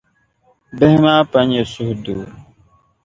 Bihi maa pa nyɛ suhudoo.